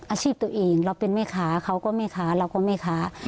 อาชีพตัวเองเราเป็นแม่ค้าเขาก็แม่ค้าเราก็แม่ค้า